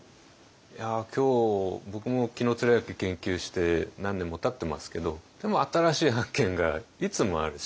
今日僕も紀貫之研究して何年もたってますけどでも新しい発見がいつもあるし。